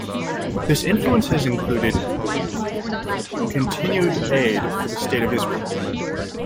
This influence has included continued aid for the state of Israel.